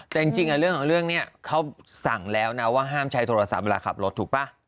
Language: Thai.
แต่จริงเรื่องของเรื่องนี้เขาสั่งแล้วนะว่าห้ามใช้โทรศัพท์เวลาขับรถถูกป่ะ